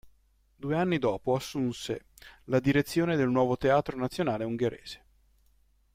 Due anni dopo assunse la direzione del nuovo Teatro nazionale ungherese.